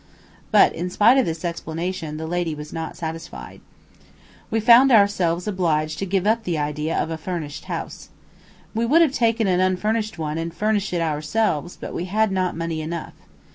But, in spite of this explanation, the lady was not satisfied. We found ourselves obliged to give up the idea of a furnished house. We would have taken an unfurnished one and furnished it ourselves, but we had not money enough.